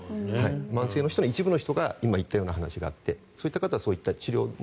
慢性の人の一部の人が今言ったような話があってそういう人はそういう治療も。